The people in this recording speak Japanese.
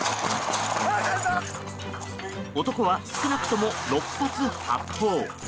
男は少なくとも６発発砲。